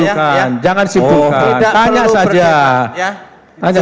tidak perlu berdebat ya